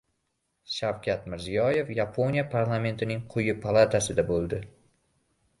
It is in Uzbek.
Shavkat Mirziyoyev Yaponiya parlamentining quyi palatasida bo‘ldi